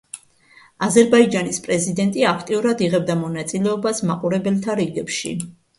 აზერბაიჯანის პრეზიდენტი აქტიურად იღებდა მონაწილეობას მაყურებელთა რიგებში.